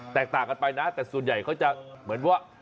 แตกต่างกันไปนะแต่ส่วนใหญ่เขาจะเหมือนว่า